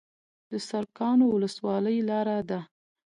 د سرکانو ولسوالۍ لاره ده